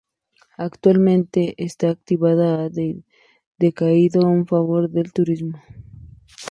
Actualmente, esta actividad ha decaído, en favor del turismo.